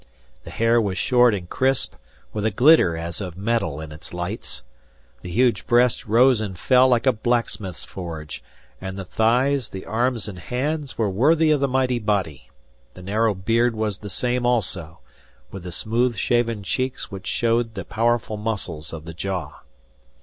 The hair was short and crisp, with a glitter as of metal in its lights. The huge breast rose and fell like a blacksmith's forge; and the thighs, the arms and hands, were worthy of the mighty body. The narrow beard was the same also, with the smooth shaven cheeks which showed the powerful muscles of the jaw.